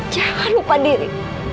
jangan lupa diri